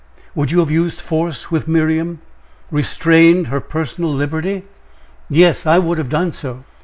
Would you have used force with Miriam restrained her personal liberty?" "Yes! I would have done so!"